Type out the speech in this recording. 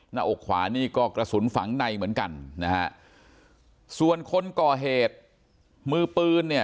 หน้าอกขวานี่ก็กระสุนฝังในเหมือนกันนะฮะส่วนคนก่อเหตุมือปืนเนี่ย